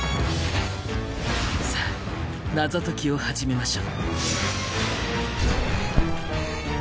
さあ謎解きを始めましょう。